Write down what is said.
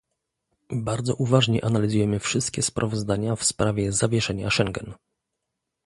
Bardzo uważnie analizujemy wszystkie sprawozdania w sprawie zawieszenia Schengen